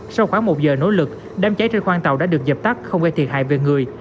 sau khoảng một giờ nỗ lực đám cháy trên khoang tàu đã được dập tắt không gây thiệt hại về người